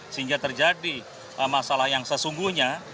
sehingga terjadi masalah yang sesungguhnya